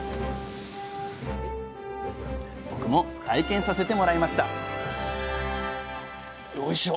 僕も体験させてもらいましたよいしょ。